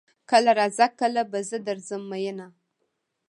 کله راځه کله به زه درځم ميينه